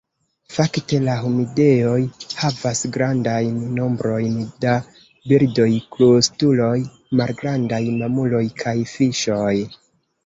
Fakte la humidejoj havas grandajn nombrojn da birdoj, krustuloj, malgrandaj mamuloj kaj fiŝoj.